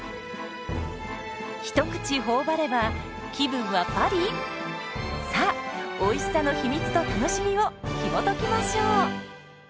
一口頬張れば気分はパリ⁉さあおいしさの秘密と楽しみをひもときましょう。